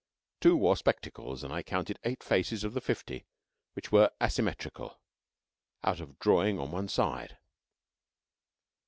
Two wore spectacles, and I counted eight faces of the fifty which were asymmetrical out of drawing on one side.